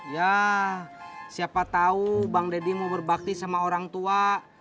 ya siapa tahu bang deddy mau berbakti sama orang tua